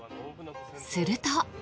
すると。